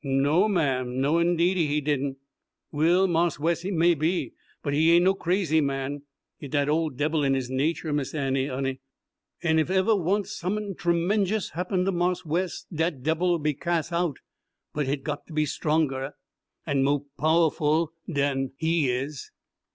"No, ma'am, no 'ndeedy, he didn'. Wil' Marse Wes may be, but he ain' no crazy man. It's dat ole debbil in his nature, Miss Annie, honey. En ef ever once som'n tremenjus happen to Marse Wes, dat debbil'll be cas' out. But hit's got to be stronger en mo' pow'ful dan he is.